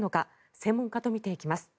専門家と見ていきます。